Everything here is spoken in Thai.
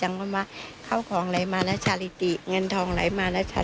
แล้วที่มีข่าวเพราะว่าจะเป็นลูกเหม่นหรือเปล่าของผงชูรสต่างกันเปล่า